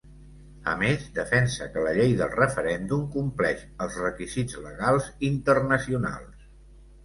A més, defensa que la llei del referèndum compleix els requisits legals internacionals.